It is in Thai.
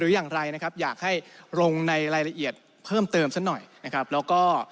อย่างไรอยากให้รงในลายละเอียดเพิ่มเติมขนาดนี้